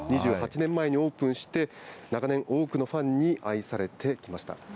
２８年前にオープンして、長年、多くのファンに愛されてきました。